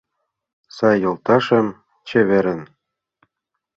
Сай йолташем, чеверын.